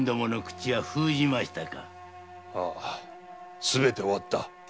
ああすべて終わった。